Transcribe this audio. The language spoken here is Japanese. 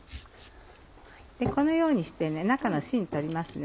このようにして中のしん取りますね。